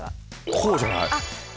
こうじゃない？あっ。